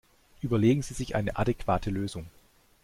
Überlegen Sie sich eine adäquate Lösung!